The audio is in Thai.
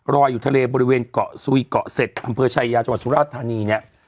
รออยู่ทะเลบริเวณเกาะสุยเกาะเสร็จอำเภอชายาจังหวัดสุราชธานีเนี่ย